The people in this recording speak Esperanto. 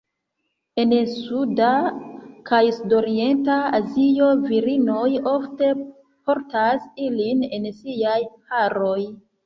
En suda kaj sudorienta Azio, virinoj ofte portas ilin en siaj haroj.